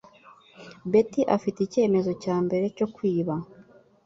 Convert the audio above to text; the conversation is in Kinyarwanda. Betty afite icyemezo cyambere cyo kwiba.